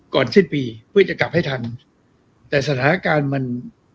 สิ้นปีเพื่อจะกลับให้ทันแต่สถานการณ์มัน